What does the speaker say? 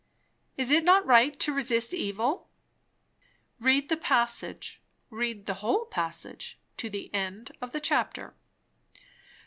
Is it not right to resist evil?" "Read the passage; read the whole passage, to the end of the chapter."